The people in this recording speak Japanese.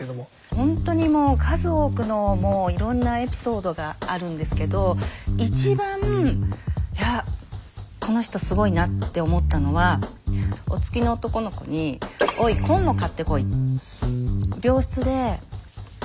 ほんとにもう数多くのいろんなエピソードがあるんですけど一番いやこの人すごいなって思ったのはお付きの男の子にえ？